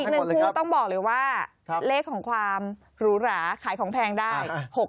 อีกหนึ่งคู่ต้องบอกเลยว่าเลขของความหรูหราขายของแพงได้